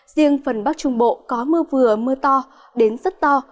riêng phần bắc trung bộ có mưa vừa mưa to đến rất to